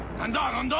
何だ？